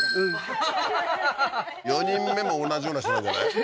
４人目も同じような人なんじゃない？